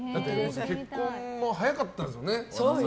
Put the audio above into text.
結婚も早かったですからね。